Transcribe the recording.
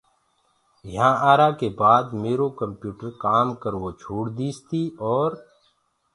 يهآنٚ آرآ ڪي بآد ميرو ڪمپِيوٽر ڪآم ڪروو ڇوڙديٚس تي اورَ